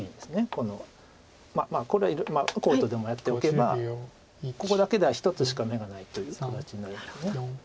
このこれはこうとでもやっておけばここだけでは１つしか眼がないという形になります。